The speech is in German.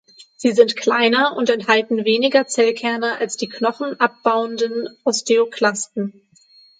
Sie sind kleiner und enthalten weniger Zellkerne als die Knochen abbauenden Osteoklasten.